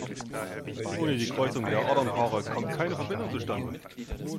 Ohne die Kreuzung der Adernpaare kommt keine Verbindung zustande.